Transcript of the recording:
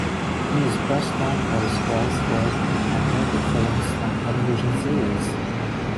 He is best known for his voice work in animated films and television series.